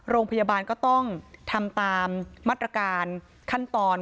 โรงพยาบาลก็ต้องทำตามมาตรการขั้นตอน